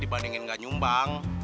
dibandingin gak nyumbang